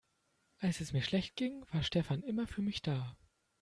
Als es mir schlecht ging, war Stefan immer für mich da.